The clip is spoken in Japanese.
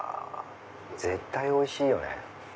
絶対おいしいよね！